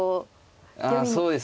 ああそうですね。